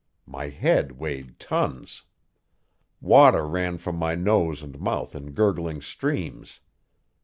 My head weighed tons. Water ran from my nose and mouth in gurgling streams.